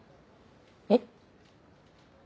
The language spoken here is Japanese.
えっ？